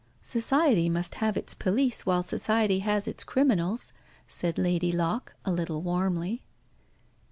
"Society must have its police while Society has its criminals," said Lady Locke, a little warmly.